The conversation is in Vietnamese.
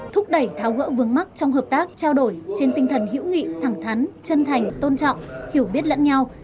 thúc đẩy tháo gỡ vướng mắt trong hợp tác trao đổi trên tinh thần hữu nghị thẳng thắn chân thành tôn trọng hiểu biết lẫn nhau